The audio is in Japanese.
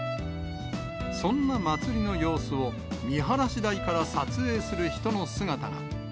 そんなまつりの様子を、見晴らし台から撮影する人の姿が。